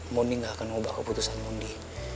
mondi gak akan ubah keputusan mondi